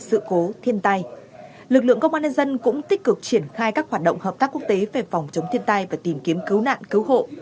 ủy ban nhân dân cũng tích cực triển khai các hoạt động hợp tác quốc tế về phòng chống thiên tai và tìm kiếm cứu nạn cứu hộ